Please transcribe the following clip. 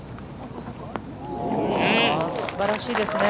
すばらしいですね。